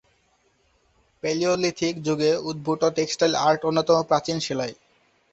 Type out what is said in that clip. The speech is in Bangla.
প্যালিওলিথিক যুগে উদ্ভূত টেক্সটাইল আর্ট অন্যতম প্রাচীন সেলাই।